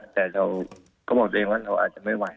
แต่เราก็บอกตัวเองว่าเราอาจจะไม่ไหว